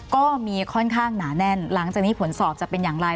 ก็มีค่อนข้างหนาแน่นหลังจากนี้ผลสอบจะเป็นอย่างไร